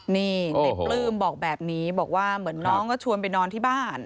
นี่ในปลื้มบอกแบบนี้บอกว่าเหมือนน้องก็ชวนไปนอนที่บ้าน